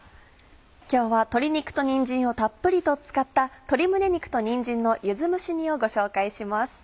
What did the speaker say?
今日は鶏肉とにんじんをたっぷりと使った「鶏胸肉とにんじんの柚子蒸し煮」をご紹介します。